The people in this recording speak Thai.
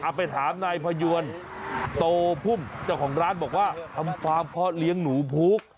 ไปถามนายพยวนโตพุ่มเจ้าของร้านบอกว่าทำฟาร์มเพาะเลี้ยงหนูพุก